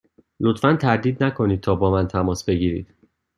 لطفا تردید نکنید تا با من تماس بگیرید.